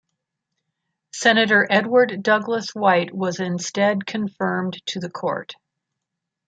Senator Edward Douglass White was instead confirmed to the Court.